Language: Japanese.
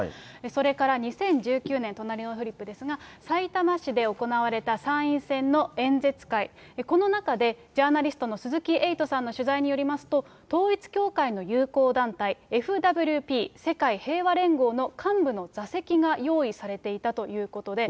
それから２０１９年、隣のフリップですが、さいたま市で行われた参院選の演説会、この中でジャーナリストの鈴木エイトさんの取材によりますと、統一教会の友好団体、ＦＷＰ・世界平和連合の幹部の座席が用意されていたということで。